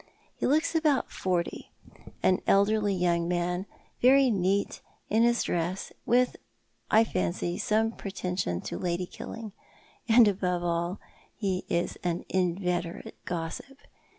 He looks about forty, an elderly young man, very neat in his dress; with, I fancy, some pretension to lady killing : and, above all, he is an inveterate gossip.